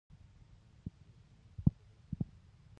ایا شخصي روغتون ته تللی شئ؟